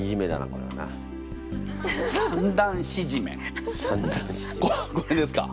ここれですか？